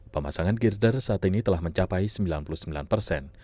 pemasangan girder saat ini telah mencapai sembilan puluh sembilan persen